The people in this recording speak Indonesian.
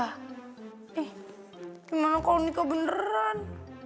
eh emang kalau nikah beneran